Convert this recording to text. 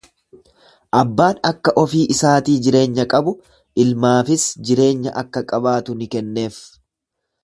Abbaan akka ofii isaatii jireenya qabu, ilmaafis jireenya akka qabaatu ni kenneef.